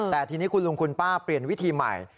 แต่ทีนี้คุณลุงคุณป้าเปลี่ยนวิธีใหม่